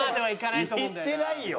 いってないよ！